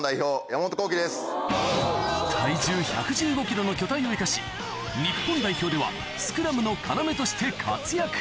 体重１１５ｋｇの巨体を生かし日本代表ではスクラムの要として活躍